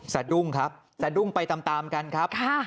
สะดุ้งครับสะดุ้งไปตามกันครับ